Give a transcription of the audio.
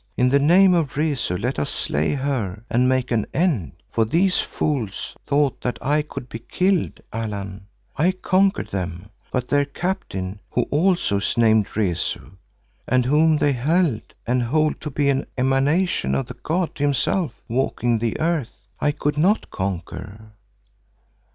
In the name of Rezu let us slay her and make an end,' for these fools thought that I could be killed. Allan, I conquered them, but their captain, who also is named Rezu and whom they held and hold to be an emanation of the god himself walking the earth, I could not conquer."